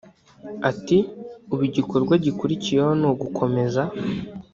Ati “ Ubu igikorwa gikurikiyeho ni ugukomeza